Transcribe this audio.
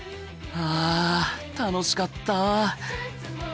はあ楽しかった。